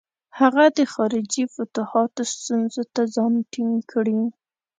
هغه د خارجي فتوحاتو ستونزو ته ځان ټینګ کړي.